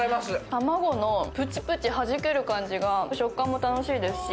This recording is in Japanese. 卵のぷちぷちはじける感じが食感も楽しいですし、